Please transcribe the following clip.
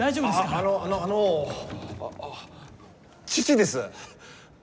あのあのあの父です。